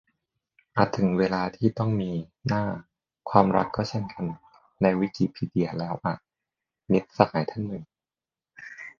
"อาจถึงเวลาที่ต้องมี หน้า ความรักก็เช่นกัน ในวิกิพีเดียแล้วอะ" - มิตรสหายท่านหนึ่ง